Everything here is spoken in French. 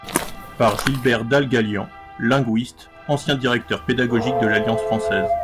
Par Gilbert Dalgalian, linguiste, ancien Directeur Pédagogique de l’Alliance Française.